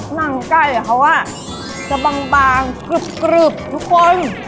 หนังไก่เขาจะบางกรึบทุกคน